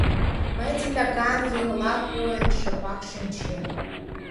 Мый, титакан еҥла койын, шыпак шинчем.